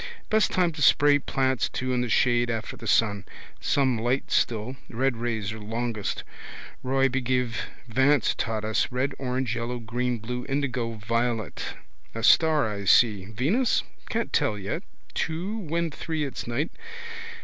Best time to spray plants too in the shade after the sun. Some light still. Red rays are longest. Roygbiv Vance taught us: red, orange, yellow, green, blue, indigo, violet. A star I see. Venus? Can't tell yet. Two. When three it's night.